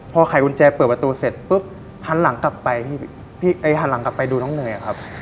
พอไขกุญแจเปิดประตูเสร็จทันหลังกลับไปดูน้องเนยครับ